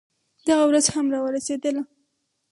دغه ورځ هم راورسېدله.